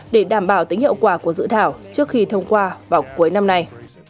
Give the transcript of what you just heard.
để đảm bảo tính hiệu quả của dự thảo trước khi thông qua vào cuối năm nay